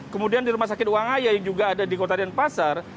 kemudian di rumah sakit wangaya yang juga ada di kota denpasar